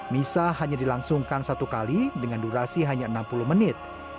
misa hanya dilangsungkan satu kali dengan durasi hanya enam puluh menit